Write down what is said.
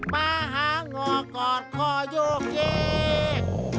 มาหางอกอดคอโยกแยก